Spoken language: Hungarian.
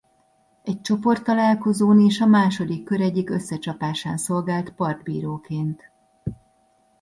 Egy csoporttalálkozón és a második kör egyik összecsapásán szolgált partbíróként.